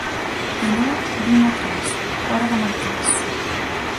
Dinar d'una a tres, hora de marquès.